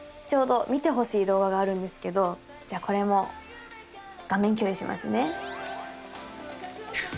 ちょうど見てほしい動画があるんですけどじゃあこれも画面共有しますね。